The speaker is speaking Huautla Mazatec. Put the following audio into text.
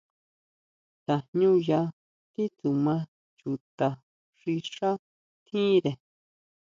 Tajñuya titsuma chuta xi xá tjíre.